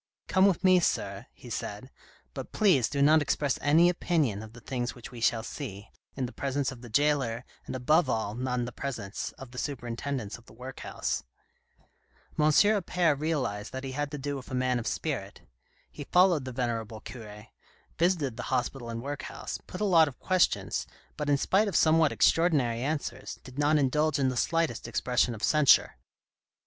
" Come with me, sir," he said, " but please do not express any opinion of the things which we shall see, in the presence of the jailer, and above all not in the presence of the superintendents of the workhouse." M. Appert realised that he had to do with a man of spirit. He followed the venerable cure, visited the hospital and workhouse, put a lot of questions, but in spite of somewhat extraordinary answers, did not indulge in the slightest expression of censure.